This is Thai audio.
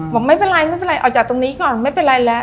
บอกไม่เป็นไรไม่เป็นไรออกจากตรงนี้ก่อนไม่เป็นไรแล้ว